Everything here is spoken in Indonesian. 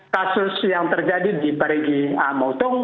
kasus yang terjadi di barigi mautung